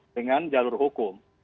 dengan jalur hukum